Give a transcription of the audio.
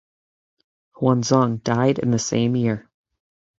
Huanzong died in the same year.